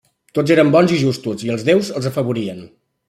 Tots eren bons i justos, i els déus els afavorien.